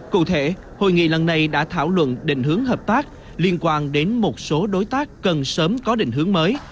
cụ thể hội nghị lần này đã thảo luận định hướng hợp tác liên quan đến một số đối tác cần sớm có định hướng mới